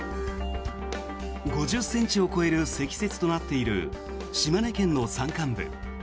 ５０ｃｍを超える積雪となっている島根県の山間部。